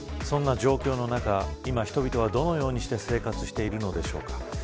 そんな状況の中いま人々はどのようにして生活しているのでしょうか。